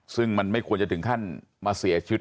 ซึ่งมันไม่ควรจะถึงขั้นมาเสียชีวิต